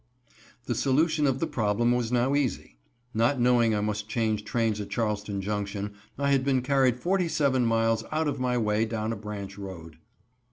The solution of the problem was now easy. Not knowing I must change trains at Charleston Junction, I had been carried forty seven miles out of my way down a branch road.